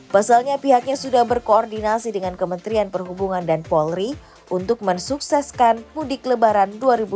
pasalnya pihaknya sudah berkoordinasi dengan kementerian perhubungan dan polri untuk mensukseskan mudik lebaran dua ribu dua puluh